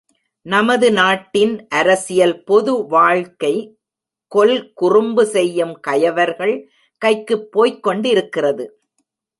நமது நாட்டின் அரசியல் பொது வாழ்க்கை கொல்குறும்பு செய்யும் கயவர்கள் கைக்குப் போய்க் கொண்டிருக்கிறது.